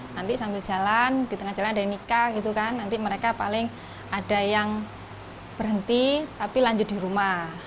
nanti sambil jalan di tengah jalan ada yang nikah gitu kan nanti mereka paling ada yang berhenti tapi lanjut di rumah